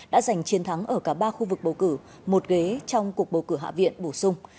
đã giành chiến thắng ở cả ba khu vực bầu cử một ghế trong cuộc bầu cử hạ viện bổ sung